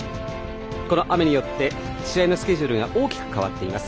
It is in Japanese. この雨によって試合のスケジュールが大きく変わっています。